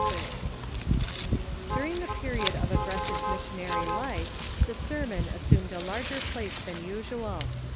] During the period of aggressive missionary life the sermon assumed a larger place than usual.